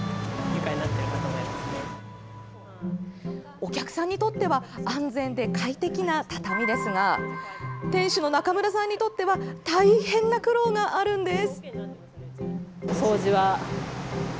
お客さんにとっては安全で快適な畳ですが店主の中村さんにとっては大変な苦労があるんです。